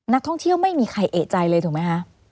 นักท่องเที่ยวไม่มีใครเอกใจเลยถูกไหมคะ